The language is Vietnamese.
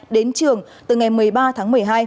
đến trường từ ngày một mươi ba tháng một mươi hai